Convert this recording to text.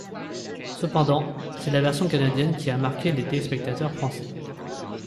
Cependant, c'est la version canadienne qui a marqué les téléspectateurs français.